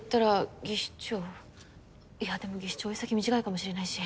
いやでも技師長老い先短いかもしれないし。